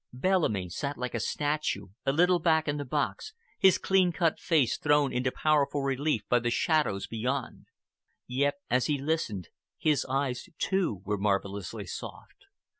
Bellamy sat like a statue, a little back in the box, his clean cut face thrown into powerful relief by the shadows beyond. Yet, as he listened, his eyes, too, were marvelously soft.